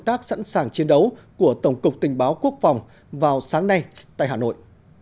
tác sẵn sàng chiến đấu của tổng cục tình báo quốc phòng vào sáng nay tại hà nội